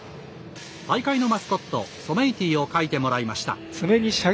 大会のマスコット、ソメイティを描いてもらいました。